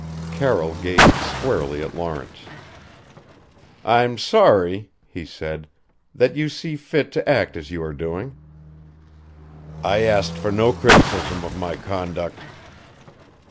Carroll gazed squarely at Lawrence. "I'm sorry," he said, "that you see fit to act as you are doing." "I asked for no criticism of my conduct."